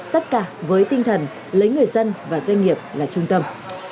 tất cả với tinh thần lấy người dân và doanh nghiệp là trung tâm